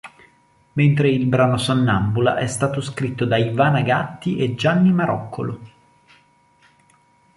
Mentre il brano "Sonnambula" è stato scritto da Ivana Gatti e Gianni Maroccolo.